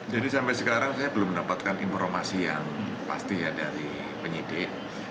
jadi sampai sekarang saya belum mendapatkan informasi yang pasti dari penyidik